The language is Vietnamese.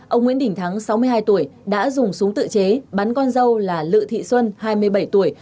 ông nguyễn đình thắng sáu mươi hai tuổi đã dùng súng tự chế bắn con dâu là lự thị xuân hai mươi bảy tuổi